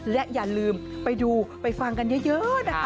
และอย่าลืมไปดูไปฟังกันเยอะนะคะ